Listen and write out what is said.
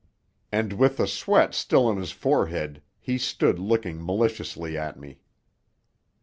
And, with the sweat still on his forehead, he stood looking maliciously at me.